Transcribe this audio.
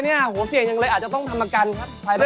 เนี่ยโอ้เสียงอย่างไรอาจจะต้องทำรากันครัด